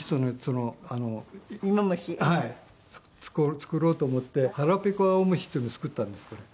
作ろうと思って『はらぺこあおむし』っていうの作ったんですこれ。